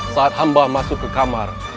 saat hamba masuk ke kamar